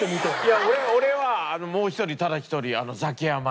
いや俺はもう一人ただ一人ザキヤマ。